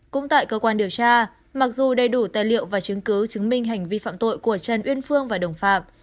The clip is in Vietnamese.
cũng tại cơ quan điều tra mặc dù đầy đủ tài liệu và chứng cứ chứng minh hành vi phạm tội của trần uyên phương và đồng phạm